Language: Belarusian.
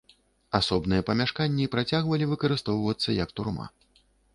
Асобныя памяшканні працягвалі выкарыстоўвацца як турма.